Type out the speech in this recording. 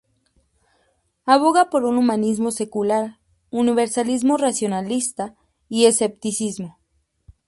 Aboga por un humanismo secular, universalismo racionalista y escepticismo.